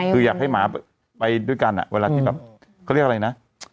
คืออยากให้หมาไปด้วยกันเวลาที่แบบเขาเรียกอะไรนะ